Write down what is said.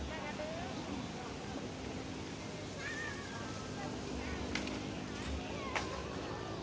สวัสดีครับทุกคน